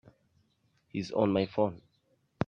He's on my phone.